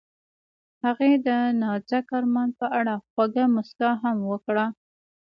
هغې د نازک آرمان په اړه خوږه موسکا هم وکړه.